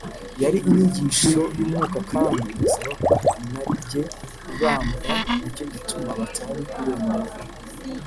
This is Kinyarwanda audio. yari inyigisho y’umwuka kandi igasaba ko inarijye ibambwa, nicyo gituma batari kuyemera